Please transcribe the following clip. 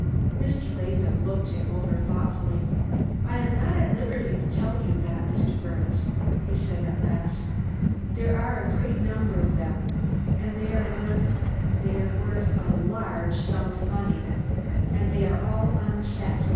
Mr. Latham looked him over thoughtfully. "I am not at liberty to tell you that, Mr. Birnes," he said at last. "There are a great number of them, and they are worth they are worth a large sum of money. And they are all unset.